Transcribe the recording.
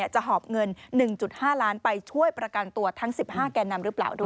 หอบเงิน๑๕ล้านไปช่วยประกันตัวทั้ง๑๕แก่นำหรือเปล่าด้วย